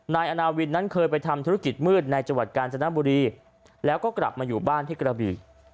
นายอาณาวินนั้นเคยไปทำธุรกิจมืดในจังหวัดกาญจนบุรีแล้วก็กลับมาอยู่บ้านที่กระบี